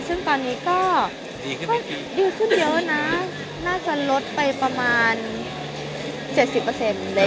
ซึ่งตอนนี้ก็ดีขึ้นไม่ดีดีขึ้นเยอะนะน่าจะลดไปประมาณ๗๐หรือ๓๐